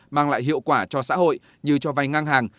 mang lại hiệu quả cho xã hội như cho vay ngang hàng